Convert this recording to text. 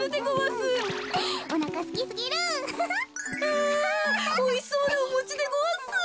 あおいしそうなおもちでごわす。